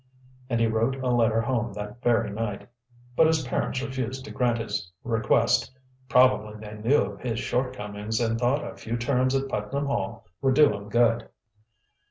And he wrote a letter home that very night. But his parents refused to grant his request. Probably they knew of his shortcomings, and thought a few terms at Putnam Hall would do him good.